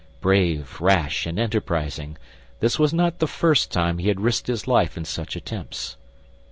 Brave, rash, and enterprising, this was not the first time he had risked his life in such attempts.